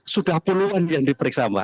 sudah puluhan yang diperiksa mbak